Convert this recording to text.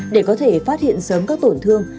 để có thể phát hiện sớm các tổn thương